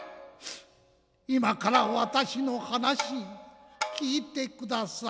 今から私の話聞いてください